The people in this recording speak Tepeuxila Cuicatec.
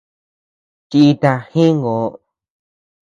Chiíta jingö.